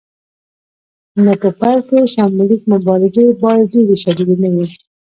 نو په پیل کې سمبولیکې مبارزې باید ډیرې شدیدې نه وي.